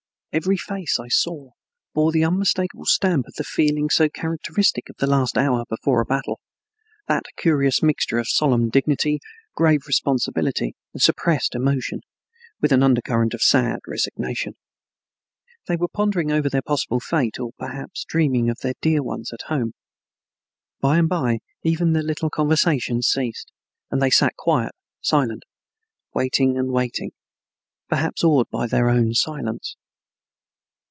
Every face I saw bore the unmistakable stamp of the feeling so characteristic of the last hour before a battle, that curious mixture of solemn dignity, grave responsibility, and suppressed emotion, with an undercurrent of sad resignation. They were pondering over their possible fate, or perhaps dreaming of their dear ones at home. By and by even the little conversation ceased, and they sat quite silent, waiting and waiting, perhaps awed by their own silence.